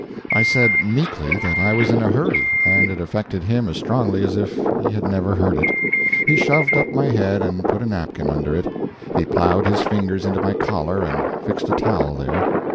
I said meekly that I was in a hurry, and it affected him as strongly as if he had never heard it. He shoved up my head, and put a napkin under it. He plowed his fingers into my collar and fixed a towel there.